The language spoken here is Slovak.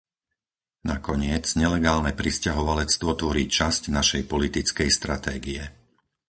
Nakoniec, nelegálne prisťahovalectvo tvorí časť našej politickej stratégie.